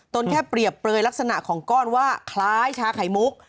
แค่เปรียบเปลยลักษณะของก้อนว่าคล้ายชาไข่มุก